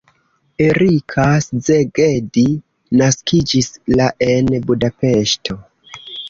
Erika Szegedi naskiĝis la en Budapeŝto.